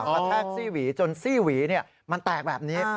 แทกซี่หวีจนซี่หวีมันแตกแบบนี้